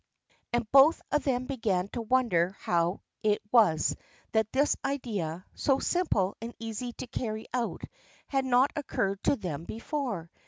And both of them began to wonder how it was that this idea, so simple and easy to carry out, had not occurred to them before.